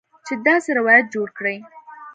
چې داسې روایت جوړ کړي